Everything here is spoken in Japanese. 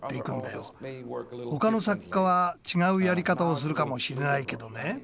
ほかの作家は違うやり方をするかもしれないけどね。